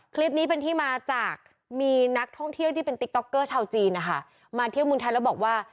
คลิปนี้เป็นที่มาจากมีนักท่องเที่ยวที่เป็นติ๊กต๊อกเกอร์ชาวจีนนะคะมาเที่ยวเมืองไทยแล้วบอกว่า